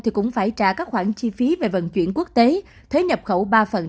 thì cũng phải trả các khoản chi phí về vận chuyển quốc tế thuế nhập khẩu ba